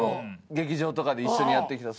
劇場とかで一緒にやってきた。